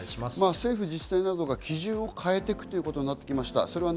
政府、自治体などが基準を変えていくということになってきました。